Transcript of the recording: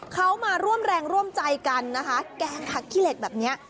เขามาร่วมแรงร่วมใจกันนะคะแกงผักขี้เหล็กแบบนี้